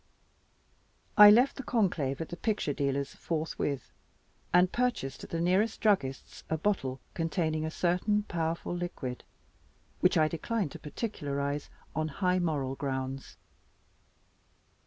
I left the conclave at the picture dealer's forthwith, and purchased at the nearest druggist's a bottle containing a certain powerful liquid, which I decline to particularize on high moral grounds.